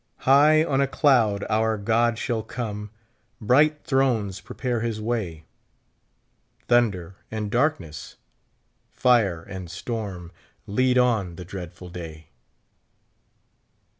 High on a cloud our God shall come, Bright thrones prepare his way ; Thunder and darkness, fire and storm, Lead on the dreadful day.